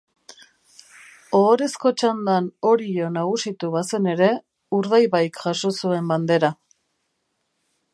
Ohorezko txandan Orio nagusitu bazen ere Urdaibaik jaso zuen Bandera.